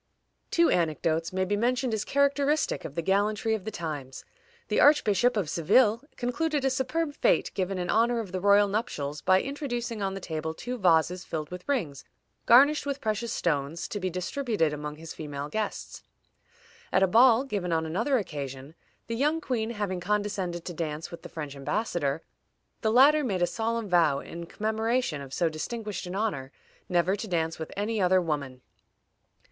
Two anecdotes may be mentioned as characteristic of the gallantry of the times. The Archbishop of Seville concluded a superb fête, given in honor of the royal nuptials, by introducing on the table two vases filled with rings garnished with precious stones, to be distributed among his female guests. At a ball given on another occasion, the young queen having condescended to dance with the French embassador, the latter made a solemn vow, in commemoration of so distinguished an honor, never to dance with any other woman.